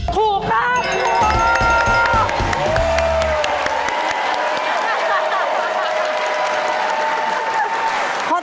ถูกครับ